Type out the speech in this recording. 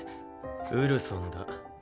ウルソンだ。